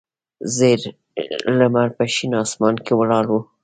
زیړ لمر په شین اسمان کې ولاړ و.